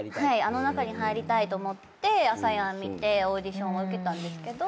あの中に入りたいと思って『ＡＳＡＹＡＮ』見てオーディション受けたんですけど。